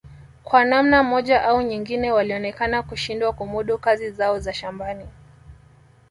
kwa namna moja au nyingine walionekana kushindwa kumudu kazi zao za shambani